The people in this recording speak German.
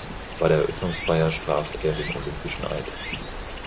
Bei der Eröffnungsfeier sprach er den olympischen Eid.